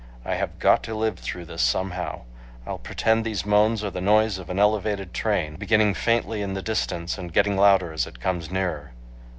I have got to live through this somehow. I'll pretend these moans are the noise of an elevated train, beginning faintly in the distance and getting louder as it comes nearer."